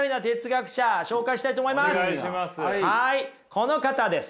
この方です。